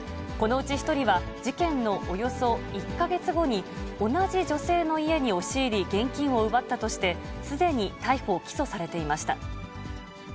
このうち１人は、事件のおよそ１か月後に同じ女性の家に押し入り、現金を奪ったとしてすでに逮捕・起訴されていました。